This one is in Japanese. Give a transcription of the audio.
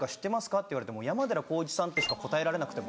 って言われても「山寺宏一さん」ってしか答えられなくて僕。